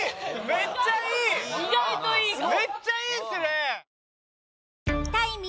めっちゃいいですね！